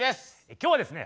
今日はですね